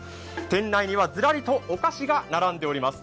店内には、ずらりとお菓子が並んでおります。